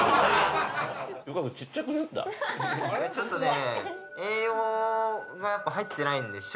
ちょっとね。